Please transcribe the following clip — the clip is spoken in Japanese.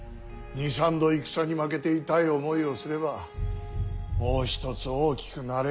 ２３度戦に負けて痛い思いをすればもう一つ大きくなれるんだがな。